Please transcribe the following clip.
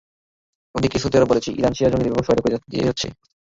ওদিকে Saudi Arab বলেছে, Iran শিয়া জঙ্গিদের ব্যাপক সহায়তা করে যাচ্ছে।